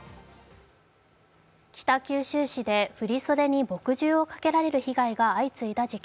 北九州市で振り袖に墨汁をかけられる被害が相次いだ事件。